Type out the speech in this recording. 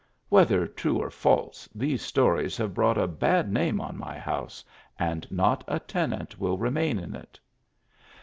Whether true or false these stories have brought a bad name on my house, and not a tenant will remain in it."